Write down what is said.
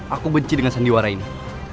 aku benci dengan sandiwara ini